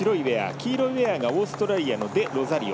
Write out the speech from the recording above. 黄色いウエアがオーストラリアのデロザリオ。